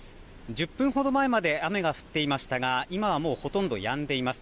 １０分ほど前まで雨が降っていましたが今はもうほとんどやんでいます。